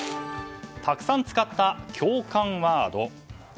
たくさん使った共感ワード。